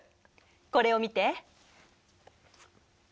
これを見て。